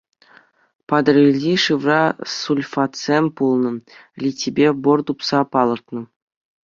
Патӑрьелти шывра сульфатсем пулнӑ, литипе бор тупса палӑртнӑ.